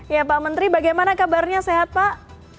ya pak menteri bagaimana kabarnya sehat pak